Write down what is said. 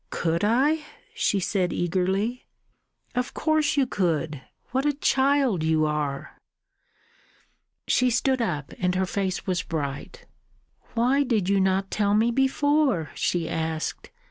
"Could I?" she said eagerly. "Of course you could. What a child you are!" She stood up, and her face was bright. "Why did you not tell me before?" she asked.